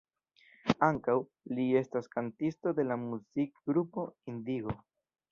Ankaŭ, li estas kantisto de la muzik-grupo "Indigo".